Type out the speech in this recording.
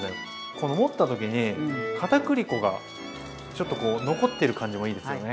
この持った時にかたくり粉がちょっとこう残ってる感じもいいですよね。